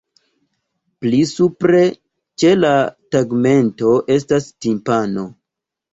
Pli supre ĉe la tegmento estas timpano.